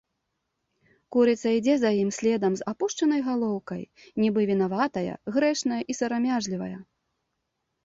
Курыца ідзе за ім следам з апушчанай галоўкай, нібы вінаватая, грэшная і сарамяжлівая.